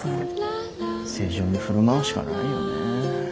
正常に振る舞うしかないよねえ。